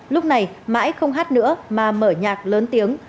lúc này mãi không hát nữa mà mở nhạc lớn tiếng